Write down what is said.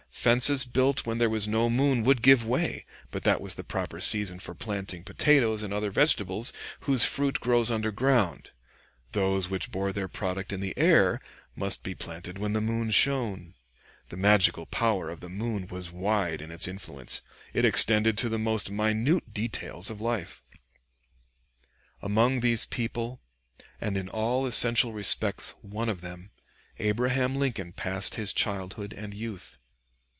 Fences built when there was no moon would give way; but that was the proper season for planting potatoes and other vegetables whose fruit grows underground; those which bore their product in the air must be planted when the moon shone. The magical power of the moon was wide in its influence; it extended to the most minute details of life. [Sidenote: Lamon, p. 52.] Among these people, and in all essential respects one of them, Abraham Lincoln passed his childhood and youth.